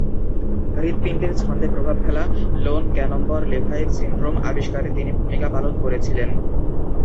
হৃৎপিণ্ডের ছন্দে প্রভাব ফেলা "লোন-গ্যানম্বর-লেভাইন সিনড্রোম" আবিষ্কারে তিনি ভূমিকা পালন করেছিলেন।